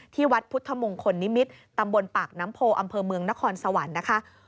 ที่วัดพุทธมงคลนิมิตรตำบลปากน้ำโพอำเภอเมืองนครสวรรค์นะคะ